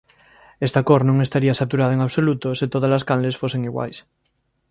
Esta cor non estaría saturada en absoluto se todas as canles fosen iguais.